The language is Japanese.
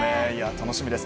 楽しみです。